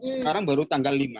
sekarang baru tanggal lima